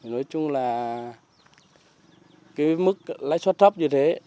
nói chung là cái mức lãi suất thấp như thế